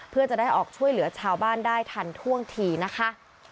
เพื่อจะได้ออกช่วยเหลือชาวบ้านได้ทันท่วงทีนะคะ